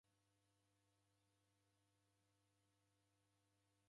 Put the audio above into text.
Mfugho